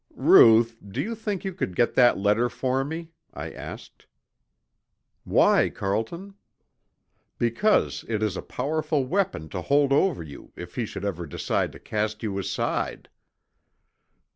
"Ruth, do you think you could get that letter for me?" I asked. "Why, Carlton?" "Because it is a powerful weapon to hold over you if he should ever decide to cast you aside."